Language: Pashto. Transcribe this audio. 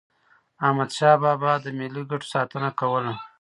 احمدشاه بابا به د ملي ګټو ساتنه کوله.